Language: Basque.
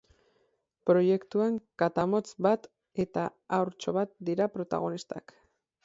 Proiektuan katamotz bat eta haurtxo bat dira protagonistak.